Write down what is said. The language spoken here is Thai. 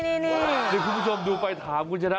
นี่คุณผู้ชมดูไปถามคุณชนะ